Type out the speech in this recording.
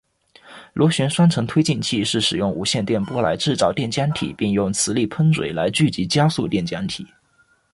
螺旋双层推进器是使用无线电波来制造电浆体并用磁力喷嘴来聚集加速电浆体。